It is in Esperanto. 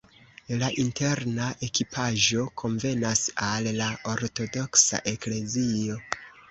La interna ekipaĵo konvenas al la ortodoksa eklezio.